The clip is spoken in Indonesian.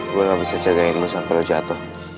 gue gak bisa jagainmu sampai lo jatuh